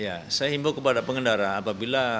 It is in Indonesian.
ya saya himbau kepada pengendara apabila